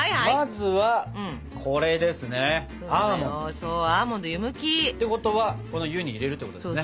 そうアーモンド湯むき！てことはこの湯に入れるってことですね。